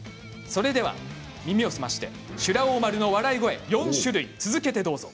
それでは耳を澄ませて修羅王丸の笑い声４種続けてどうぞ。